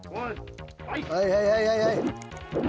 はいはいはいはいはい。